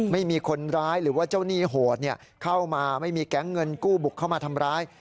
ไม่มีคนร้ายหรือว่าเจ้าหนี้โหดเข้ามาไม่มีแก๊งเงินกู้บุกเข้ามาทำร้าย